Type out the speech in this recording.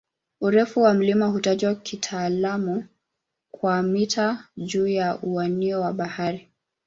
Urefu wa mlima hutajwa kitaalamu kwa "mita juu ya uwiano wa bahari".